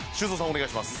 お願いします。